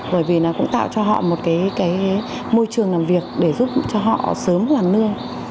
bởi vì nó cũng tạo cho họ một cái môi trường làm việc để giúp cho họ sớm hoàn lương